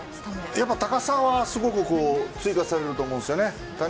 やっぱ高さはすごく追加されると思うんですよね。